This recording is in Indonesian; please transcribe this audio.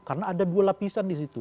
karena ada dua lapisan disitu